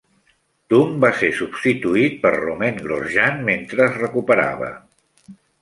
Tung va ser substituït per Romain Grosjean mentre es recuperava.